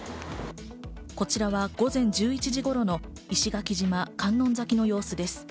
こちらは午前１１時頃の石垣島観音崎の様子です。